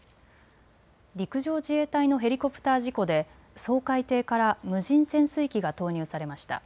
陸上自衛隊のヘリコプター事故で掃海艇から無人潜水機が投入されました。